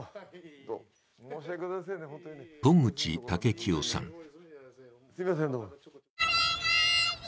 渡具知武清さん。